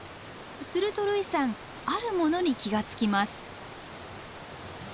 すると類さんあるものに気が付きます。